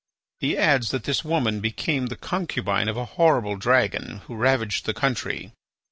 He adds that this woman became the concubine of a horrible dragon, who ravaged the country.